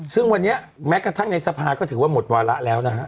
ซึ่งวันนี้แม้กระทั่งในสภาก็ถือว่าหมดวาระแล้วนะฮะ